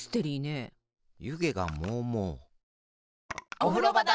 おふろばだ！